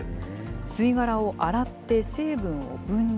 吸い殻を洗って成分を分離。